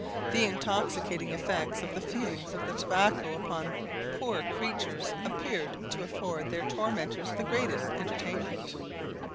The intoxicating effects of the fumes of the tobacco upon the poor creatures appeared to afford their tormentors the greatest entertainment.